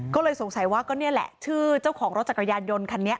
ก็เลยสงสัยว่าก็นี่แหละชื่อเจ้าของรถจักรยานยนต์คันนี้